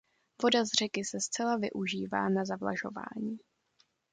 Voda z řeky se zcela využívá na zavlažování.